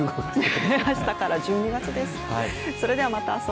明日から１２月です。